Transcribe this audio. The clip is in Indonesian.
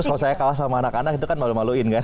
kalau saya kalah sama anak anak itu kan malu maluin kan